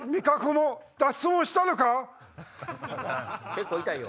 結構痛いよ？